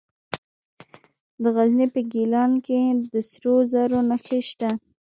د غزني په ګیلان کې د سرو زرو نښې شته.